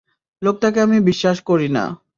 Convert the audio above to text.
লোকটাকে আমি বিশ্বাস করি না।